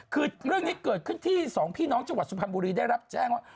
คือเรื่องนี้เกิดขึ้นที่สองพี่น้องจังหวัดสุพรรณบุรีได้รับแจ้งว่า